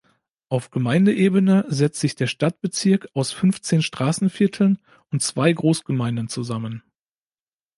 Auf Gemeindeebene setzt sich der Stadtbezirk aus fünfzehn Straßenvierteln und zwei Großgemeinden zusammen.